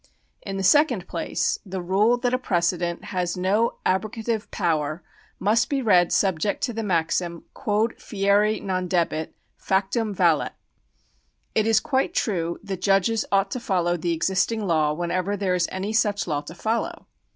In the second place, the rule that a precedent has no abro gative power must be read subject to the maxim. Quod fieri non debet, factum valet. It is quite true that judges ought to follow the existing law whenever there is any such law to f oUow.